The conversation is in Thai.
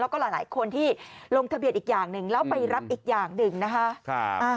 แล้วก็หลายคนที่ลงทะเบียนอีกอย่างหนึ่งแล้วไปรับอีกอย่างหนึ่งนะคะ